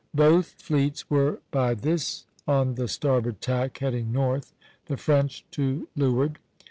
Both fleets were by this on the starboard tack, heading north (B, B, B), the French to leeward.